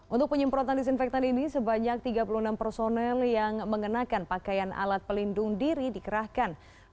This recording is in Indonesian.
untuk penyemprotan disinfektan ini sebanyak tiga puluh enam personel yang mengenakan pakaian alat pelindung diri dikerahkan